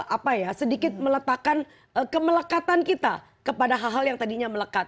apa ya sedikit meletakkan kemelekatan kita kepada hal hal yang tadinya melekat